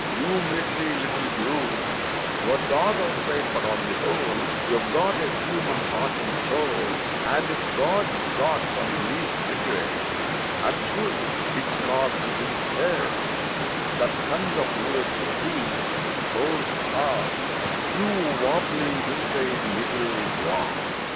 You military little brute, You're dog outside but on the whole You've got a human heart and soul And if God's got one least regret I'm sure it's cause he didn't set That tongue of yours to speech, old top— You wobbly, wink eyed little wop!